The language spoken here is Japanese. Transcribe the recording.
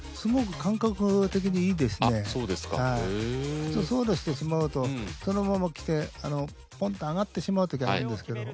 普通ソールしてしまうとそのまま来てポンと上がってしまうときあるんです。